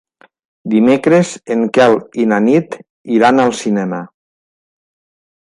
Dimecres en Quel i na Nit iran al cinema.